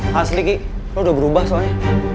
hasli kik lu sudah berubah soalnya